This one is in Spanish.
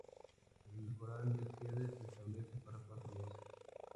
El coral de cierre se establece para cuatro voces.